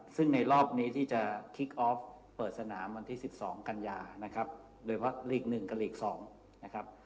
ซึ่งในรอบนี้ที่จะคิกประสานำอันที่๑๒กันยาด้วยว่าลีก๑กับลีก๒